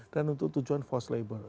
dan untuk tujuan forced labor